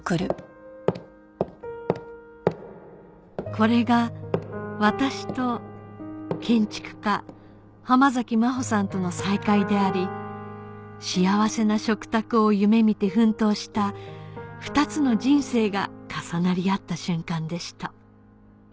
これが私と建築家浜崎マホさんとの再会であり幸せな食卓を夢見て奮闘した２つの人生が重なり合った瞬間でした